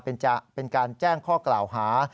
เป็นการแจ้งข้อกล่าวหา